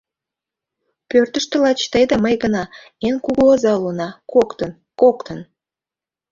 Пӧртыштӧ лач тый да мый гына эн кугу оза улына, коктын, коктын!